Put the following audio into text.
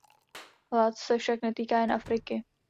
Hlad se však netýká jen Afriky.